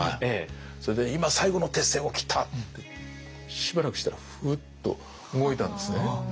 それで「今最後の鉄線を切った」って。しばらくしたらふっと動いたんですね。